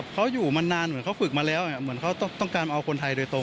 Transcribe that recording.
เขาอยู่มานานเหมือนเขาฝึกมาแล้วเหมือนเขาต้องการเอาคนไทยโดยตรง